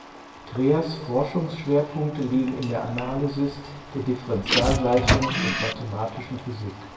Drehers Forschungsschwerpunkte liegen in der Analysis der Differentialgleichungen und Mathematischen Physik.